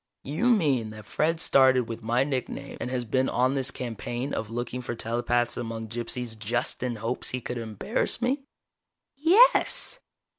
"You mean that Fred started with my nickname, and has been on this campaign of looking for telepaths among gypsies just in hopes he could embarrass me?" "Yes!"